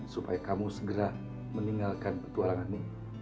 supaya kamu segera meninggalkan petualangan ini